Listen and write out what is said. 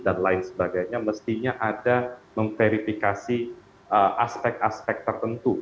dan lain sebagainya mestinya ada memverifikasi aspek aspek tertentu